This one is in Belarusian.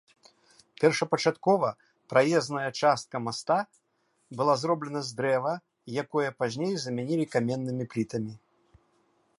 Першапачаткова праезная частка моста была зроблена з дрэва, якое пазней замянілі каменнымі плітамі.